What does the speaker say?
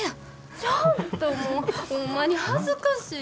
ちょっともうホンマに恥ずかしい。